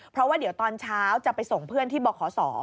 เพราะว่าเดี๋ยวตอนเช้าจะไปส่งเพื่อนที่บขศ